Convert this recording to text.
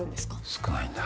少ないんだ。